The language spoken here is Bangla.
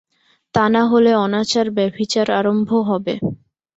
তা না হলে অনাচার ব্যভিচার আরম্ভ হবে।